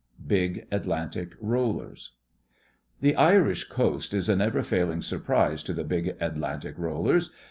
BIG ATLANTIC ROLLERS The Irish coast is a never failing surprise to the big Atlantic rollers.